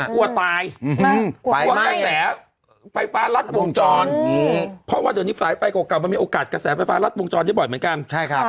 กลัวตายกลัวกระแสไฟฟ้ารัดวงจรเพราะว่าเดี๋ยวนี้สายไฟเก่ามันมีโอกาสกระแสไฟฟ้ารัดวงจรได้บ่อยเหมือนกัน